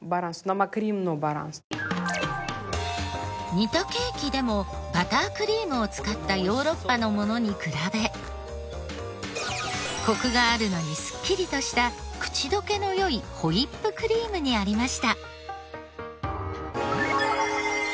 似たケーキでもバタークリームを使ったヨーロッパのものに比べコクがあるのにすっきりとした口溶けの良いホイップクリームにありました。